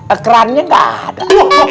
ekrannya gak ada